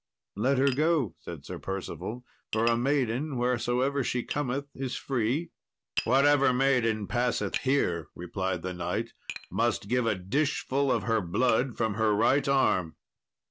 "Let her go," said Sir Percival, "for a maiden, wheresoever she cometh, is free." "Whatever maiden passeth here," replied the knight, "must give a dishful of her blood from her right arm."